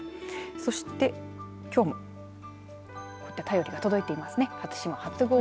そして、きょうもこういった便りが届いていますね